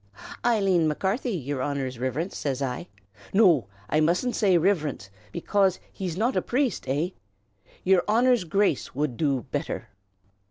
"'Eileen Macarthy, yer Honor's Riverence!' says I. No! I mustn't say 'Riverence,' bekase he's not a priest, ava'. 'Yer Honor's Grace' wud do better.